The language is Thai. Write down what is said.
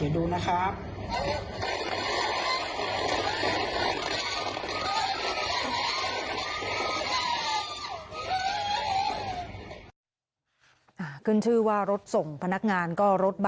ดูนะครับ